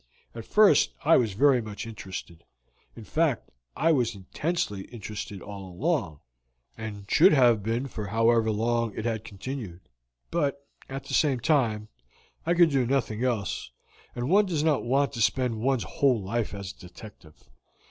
At first I was very much interested; in fact, I was intensely interested all along, and should have been for however long it had continued. But, at the same time, I could do nothing else, and one does not want to spend one's whole life as a detective.